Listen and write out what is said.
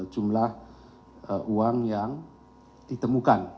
jumlah uang yang ditemukan